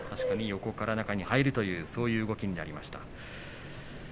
横から中に入るという動きになりました。